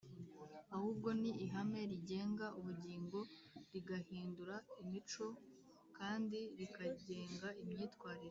ahubwo ni ihame rigenga ubugingo rigahindura imico kandi rikagenga imyitwarire